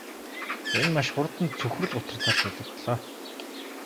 Энэ нь маш хурдан цөхрөл гутралаар солигдлоо.